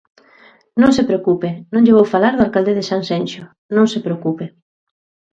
Non se preocupe, non lle vou falar do alcalde de Sanxenxo, non se preocupe.